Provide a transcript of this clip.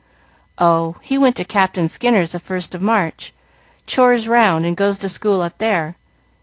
"Oh, he went to Captain Skinner's the first of March, chores round, and goes to school up there.